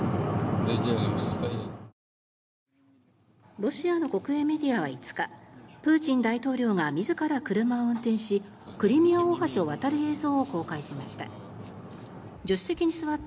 ロシアの国営メディアは５日プーチン大統領が自ら車を運転しクリミア大橋を渡る映像を公開しました。